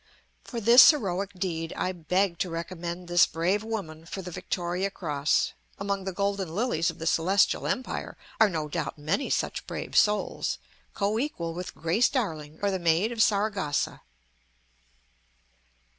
For this heroic deed I beg to recommend this brave woman for the Victoria Cross; among the golden lilies of the Celestial Empire are no doubt many such brave souls, coequal with Grace Darling or the Maid of Saragossa.